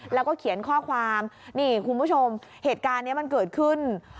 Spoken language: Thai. แล้วก็เขียนข้อความนี่คุณผู้ชมเหตุการณ์นี้มันเกิดขึ้น